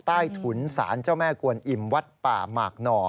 ใต้ถุนศาลเจ้าแม่กวนอิ่มวัดป่าหมากหน่อ